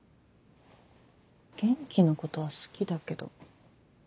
元気のことは好きだけど。